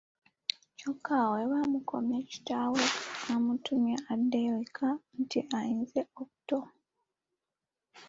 Kyokka awo we baamukomya, kitaawe n'amutumya addeyo eka nti ayinze obuto.